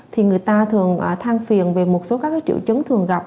thì người ta thường thang phiền về một số các triệu chứng thường gặp